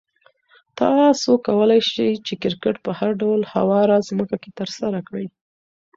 تاسو کولای شئ چې کرکټ په هر ډول هواره ځمکه کې ترسره کړئ.